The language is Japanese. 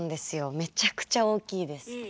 めちゃくちゃ大きいです。